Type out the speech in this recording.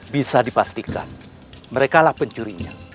bisa dipastikan mereka pencurinya